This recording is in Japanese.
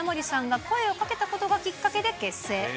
さんが声をかけたことがきっかけで結成。